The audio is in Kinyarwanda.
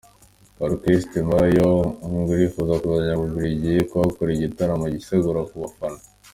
Orchestre Impala yo ngo irifuza kuzajya mu Bubiligi kuhakorera igitaramo cyisegura ku bafana.